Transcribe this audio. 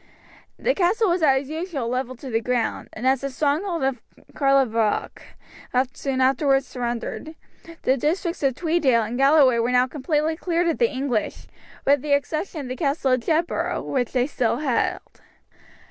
The castle was as usual levelled to the ground, and as the stronghold of Carlaverock soon afterwards surrendered, the districts of Tweeddale and Galloway were now completely cleared of the English, with the exception of the Castle of Jedburgh, which they still held.